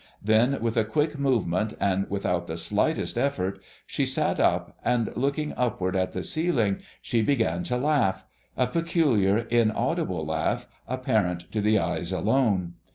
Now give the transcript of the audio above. Then with a quick movement, and without the slightest effort, she sat up, and looking upward at the ceiling, she began to laugh, a peculiar inaudible laugh apparent to the eyes alone.